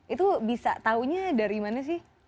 itu bisa tahunya dari mana sih